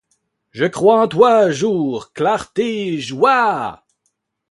Je crois à toi, jour ! clarté ! joie !